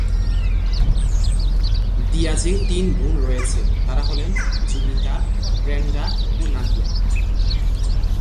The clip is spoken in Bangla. ডিয়াজের তিন বোন রয়েছে, তারা হলেন জুলিতা, ব্রেন্ডা এবং নাদিয়া।